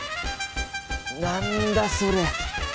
何だそれ！